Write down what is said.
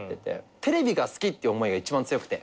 テレビが好きって思いが一番強くて。